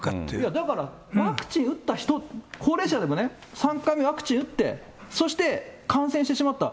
だから、ワクチン打った人、高齢者でもね、３回目ワクチン打って、そして感染してしまった。